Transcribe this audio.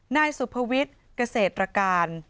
นายสุภวิทย์เกษตรการ